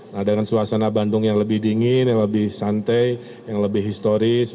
nah dengan suasana bandung yang lebih dingin yang lebih santai yang lebih historis